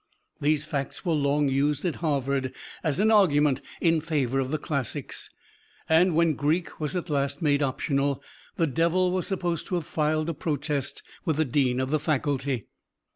These facts were long used at Harvard as an argument in favor of the Classics. And when Greek was at last made optional, the Devil was supposed to have filed a protest with the Dean of the Faculty.